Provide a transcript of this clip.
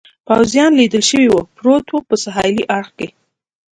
پوځیان لیدل شوي و، پروت و، په سهېلي اړخ کې.